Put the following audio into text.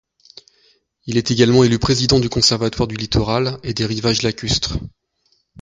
Il est également élu Président du Conservatoire du Littoral et des rivages lacustres.